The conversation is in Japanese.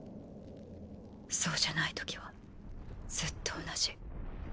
そうじゃない時はずっと同じ。